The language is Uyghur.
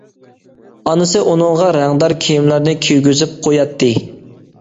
ئانىسى ئۇنىڭغا رەڭدار كىيىملەرنى كىيگۈزۈپ قوياتتى.